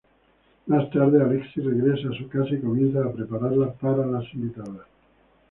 Más tarde, Alexis regresa a su casa y comienza a prepararla para las invitadas.